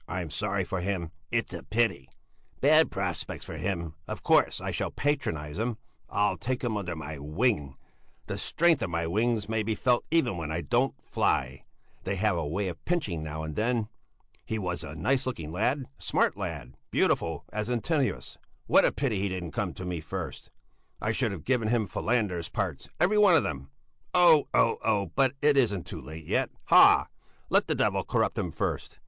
I'm sorry for him! It's a pity! Bad prospects for him. Of course, I shall patronize him! I'll take him under my wing! The strength of my wings may be felt even when I don't fly! They have a way of pinching now and then! He was a nice looking lad! A smart lad! Beautiful as Antinous! What a pity he didn't come to me first, I should have given him Falander's parts, every one of them! Oh! Oh! Oh! But it isn't too late yet! Hah! Let the devil corrupt him first!